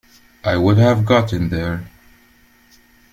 I would have gotten there.